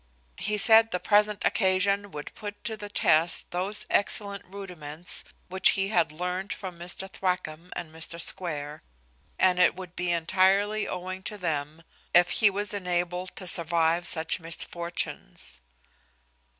He said, the present occasion would put to the test those excellent rudiments which he had learnt from Mr Thwackum and Mr Square; and it would be entirely owing to them, if he was enabled to survive such misfortunes.